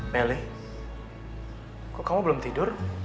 pele kok kamu belum tidur